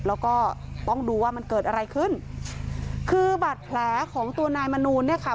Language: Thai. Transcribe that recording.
แล้วก็ต้องดูว่ามันเกิดอะไรขึ้นคือบาดแผลของตัวนายมนูลเนี่ยค่ะ